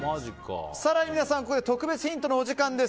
更に皆さんここで特別ヒントのお時間です。